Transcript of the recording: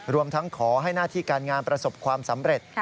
รวมทั้งขอให้หน้าที่การงานประสบความสำเร็จ